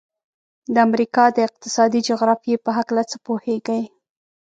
د امریکا د اقتصادي جغرافیې په هلکه څه پوهیږئ؟